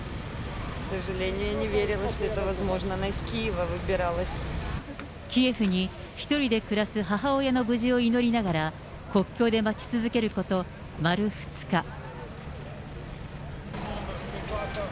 キエフに１人で暮らす母親の無事を祈りながら、国境で待ち続けること丸２日。